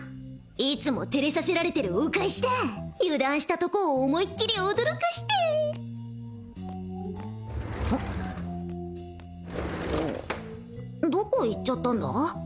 いつも照れさせられてるお返しだ油断したとこを思い切り驚かしてどこ行っちゃったんだ？